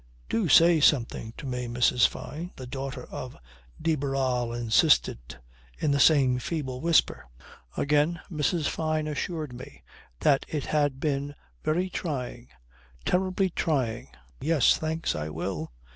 "Do say something to me, Mrs. Fyne," the daughter of de Barral insisted in the same feeble whisper. Again Mrs. Fyne assured me that it had been very trying. Terribly trying. "Yes, thanks, I will."